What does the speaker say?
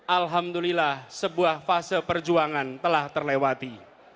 alhamdulillah sebuah fase perjuangan telah terlewati